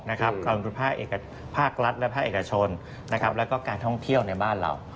กรมดูภาครัฐและภาคเอกชนแล้วก็การท่องเที่ยวในบ้านเรา